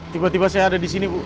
tiba tiba saya ada di sini bu